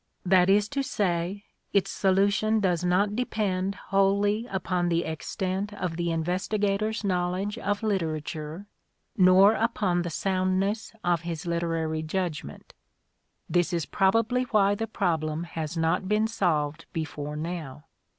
That is to say, its solution does not depend wholly upon the extent of the investigator's knowledge of literature nor upon the soundness of his literary judgment. This is probably why the problem has not been solved before now.